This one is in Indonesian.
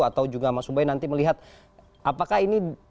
atau juga mas ubai nanti melihat apakah ini